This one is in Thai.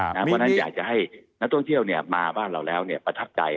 เพราะฉะนั้นอยากจะให้นักโทรเที่ยวเนี่ยมาบ้านเราแล้วเนี่ยประทับใจ